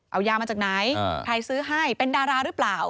เอายามาจากไหนใครซื้อให้เป็นดาราหรือเปล่า